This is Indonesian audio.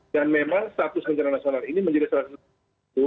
dan memang status bencana nasional ini menjadi salah satu